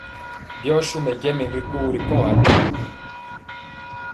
Byɔ so mɛjɛ men ti kogo ri kɔŋ aɗee?